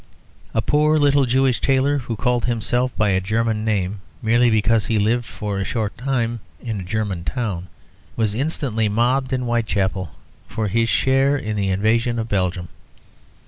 A poor little Jewish tailor, who called himself by a German name merely because he lived for a short time in a German town, was instantly mobbed in Whitechapel for his share in the invasion of Belgium.